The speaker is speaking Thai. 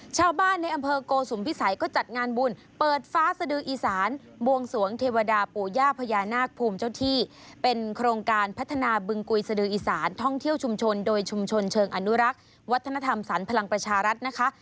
ชาวบ้านในอำเภอโกสุมพิสัยก็จัดงานบุญเปิดฟ้าสดืออีสานบวงสวงเทวดาปู่ย่าพญานาคภูมิเจ้าที่เป็นโครงการพัฒนาบึงกุยสดืออีสานท่องเที่ยวชุมชนโดยชุมชนเชิงอนุรักษ์วัฒนธรรมสรรพลังประชารัฐนะคะ